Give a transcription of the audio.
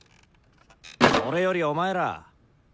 それよりお前ら！